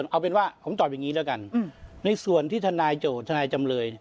เอาเป็นว่าผมตอบอย่างนี้แล้วกันในส่วนที่ทนายโจทย์ทนายจำเลย